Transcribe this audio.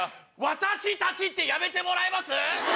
「私たち」ってやめてもらえます？